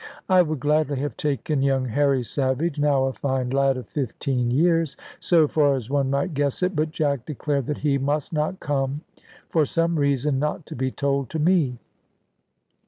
I would gladly have taken young Harry Savage, now a fine lad of fifteen years, so far as one might guess it; but Jack declared that he must not come, for some reason not to be told to me.